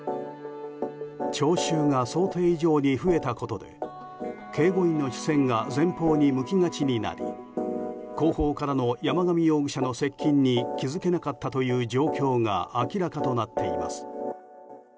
聴衆が想定以上に増えたことで警護員の視線が前方に向きがちになり後方からの山上容疑者の接近に気づけなかったという状況が明らかとなっています。